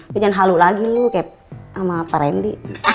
biar jangan halu lagi lu kayak sama pak remly